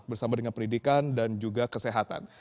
bersama dengan pendidikan dan juga kesehatan